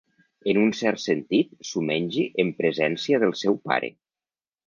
En un cert sentit, s'ho mengi en presència del seu pare.